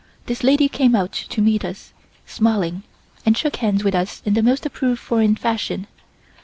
This lady came out to meet us, smiling, and shook hands with us in the most approved foreign fashion.